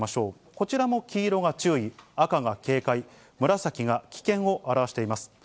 こちらも黄色が注意、赤が警戒、紫が危険を表しています。